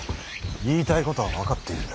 言いたいことは分かっている。